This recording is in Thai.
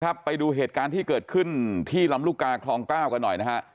ไปดูเหตุการณ์ที่เกิดขึ้นที่ลำลูกกาคลอง๙กันหน่อยนะฮะ